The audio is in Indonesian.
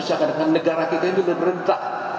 seakan akan negara kita itu merentah